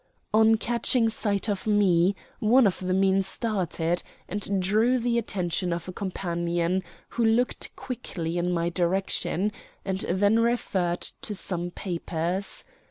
On catching sight of me one of the men started, and drew the attention of a companion, who looked quickly in my direction, and then referred to some papers.